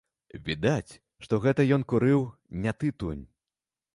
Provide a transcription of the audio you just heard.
Відаць, што гэта ён курыў не тытунь.